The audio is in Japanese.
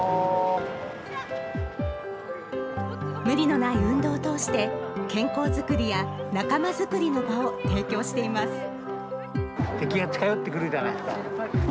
無理のない運動を通して健康作りや仲間作りの場を提供しています。